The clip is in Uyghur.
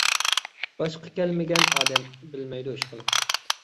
باشقا كەلمىگەن ئادەم بىلمەيدۇ، ئىشقىلىپ.